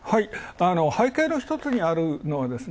背景の１つにあるのはですね